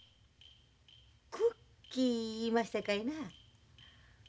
クッキーいいましたかいな？